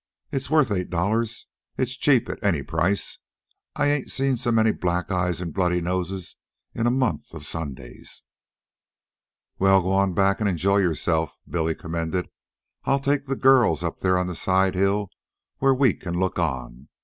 "It's worth eight dollars. It's cheap at any price. I ain't seen so many black eyes and bloody noses in a month of Sundays." "Well, go on back an' enjoy yourself," Billy commended. "I'll take the girls up there on the side hill where we can look on.